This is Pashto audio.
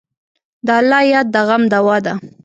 د الله یاد د غم دوا ده.